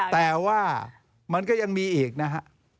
แต่ว่ามันก็ยังมีอีกนะฮะ